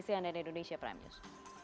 sihandar indonesia prime news